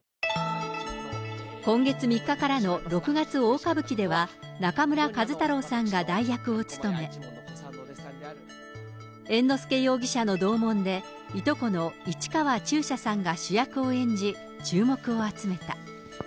今月３日からの六月大歌舞伎では、中村壱太郎さんが代役を勤め、猿之助容疑者の同門で、いとこの市川中車さんが主役を演じ、注目を集めた。